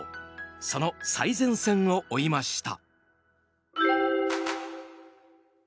その最前線を追いました。